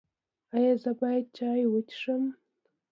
ایا زه باید چای وڅښم؟